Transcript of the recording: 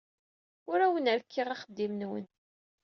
Ur awen-rekkiɣ axeddim-nwen.